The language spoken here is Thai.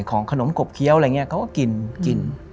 ของขนมกบเคี้ยวอะไรอย่างนี้เขาก็กินกิน